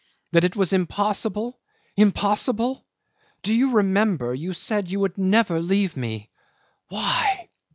That it was impossible! Impossible! Do you remember you said you would never leave me? Why?